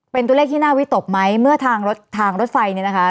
เป็นตัวเลขที่น่าวิตกไหมเมื่อทางรถทางรถไฟเนี่ยนะคะ